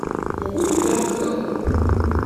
Tɣunfamt-ten?